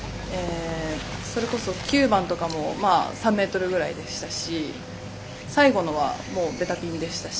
それこそ、９番とかも３ｍぐらいでしたし最後のはベタピンでしたし。